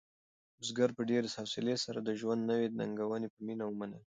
بزګر په ډېرې حوصلې سره د ژوند نوې ننګونې په مینه ومنلې.